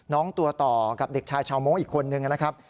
น้องตัวต่อกับเด็กชายชาวโม้งอีกคนนึงนะครับ